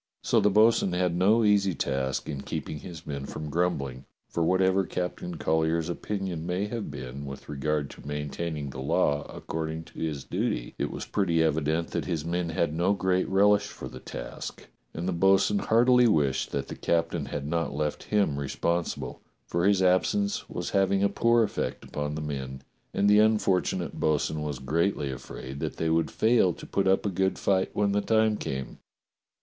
So the bo'sun had no easy task in keeping his men from grumbling; for whatever Captain Collyer's opinion may have been with regard to maintaining the law according to his duty, it was pretty evident that his men had no great relish for the task, and the bo'sun 205 206 DOCTOR SYN heartily wished that the captain had not left him re sponsible, for his absence was having a poor effect upon the men, and the unfortunate bo'sun was greatly afraid that they would fail to put up a good fight when the time came.